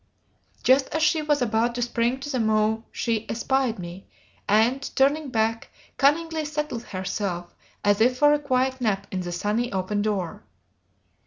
Just as she was about to spring to the mow she espied me, and, turning back, cunningly settled herself as if for a quiet nap in the sunny open door.